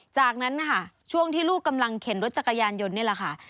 จากนั้นนะคะช่วงที่ลูกกำลังเข็นรถจักรยานยนต์นี่แหละค่ะ